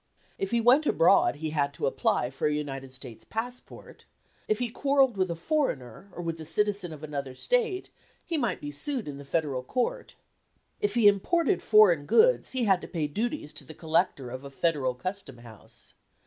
If he went abroad he had to apply for a United States passport. If he quarrelled with a foreigner, or with the citizen of another State, he might be sued in the Federal Court. If he imported foreign goods he had to pay duties to the collector of a Federal Custom house.